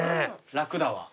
楽だわ。